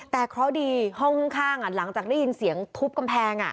แต่เคราะห์ดีห้องข้างหลังจากได้ยินเสียงทุบกำแพง